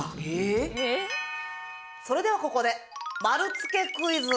それでは、ここで丸つけクイズ！